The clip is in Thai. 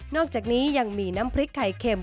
อกจากนี้ยังมีน้ำพริกไข่เค็ม